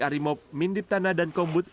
arimob mindip tana dan kombut